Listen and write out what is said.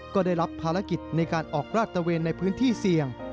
ก็ได้รับภารกิจในการออกราดตะเวนในพื้นที่เสี่ยง